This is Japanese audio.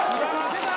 出た！